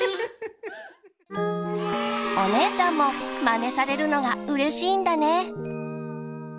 お姉ちゃんもまねされるのがうれしいんだね。